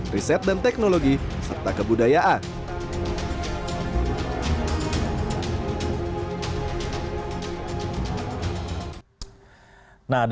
riset dan teknologi serta kebudayaan